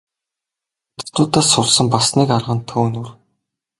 Хятадуудаас сурсан бас нэг арга нь төөнүүр.